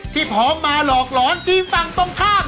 พร้อมมาหลอกหลอนทีมฝั่งตรงข้าม